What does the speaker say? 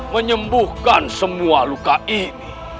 menyembuhkan semua luka ini